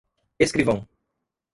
escrivão